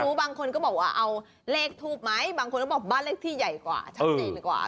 บางคนก็บอกว่าเอาเลขทูบไหมบางคนก็บอกบ้านเลขที่ใหญ่กว่าชัดเจนดีกว่า